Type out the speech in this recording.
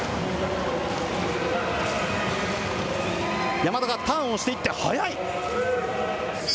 山田がターンをしていって、速い。